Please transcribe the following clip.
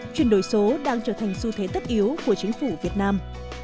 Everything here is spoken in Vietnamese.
chuyển đổi số đang trở thành xu thế tất yếu của chính phủ việt nam